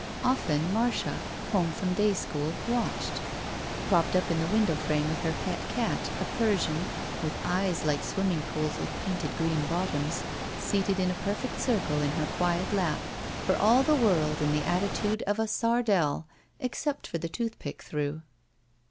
Often Marcia, home from day school, watched. 149 THE SMUDGE Propped up in the window frame with her pet cat, a Persian, with eyes like swimming pools with painted green bottoms, seated in a perfect circle in her quiet lap, for all the world in the attitude of a sardel except for the toothpick through.